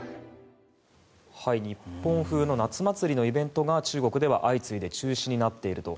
日本風の夏祭りのイベントが中国では相次いで中止になっていると。